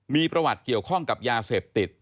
มีประวัติเกี่ยวข้องกับยาเสพติด